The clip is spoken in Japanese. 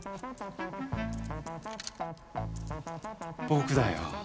僕だよ。